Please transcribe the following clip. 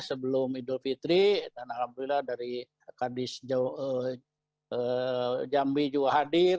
sebelum idul fitri dan alhamdulillah dari kadis jambi juga hadir